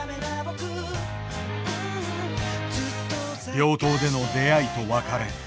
病棟での出会いと別れ。